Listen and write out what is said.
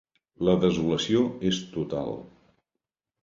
La desolació és total.